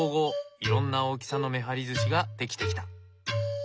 いろんな大きさのめはりずしが出来てきた。